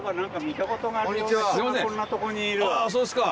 ああそうですか。